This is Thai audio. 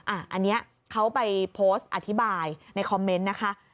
อันนี้เขาไปโพสต์อธิบายในคอมเมนต์นะคะ